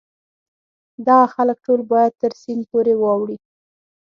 دغه خلک ټول باید تر سیند پورې واوړي.